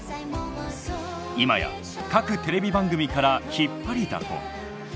今や各テレビ番組から引っ張りだこ。